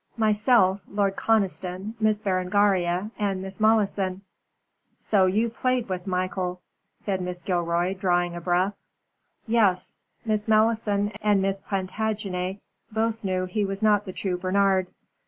"Myself, Lord Conniston, Miss Berengaria and Miss Malleson." "So you played with Michael?" said Mrs. Gilroy, drawing a breath. "Yes. Miss Malleson and Miss Plantagenet both knew he was not the true Bernard.